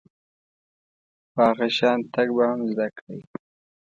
په هغه شان تګ به هم زده کړئ .